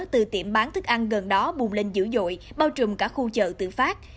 từ tiệm bán thức ăn gần đó bùng lên dữ dội bao trùm cả khu chợ tự phát